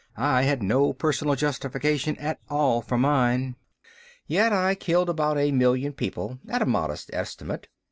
I had no personal justification at all for mine, yet I killed about a million people at a modest estimate.